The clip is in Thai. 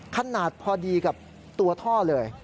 ขนาดพอดีกับตัวท่อเลย